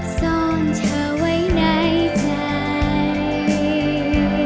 ซ่อนเธอไว้ในใจ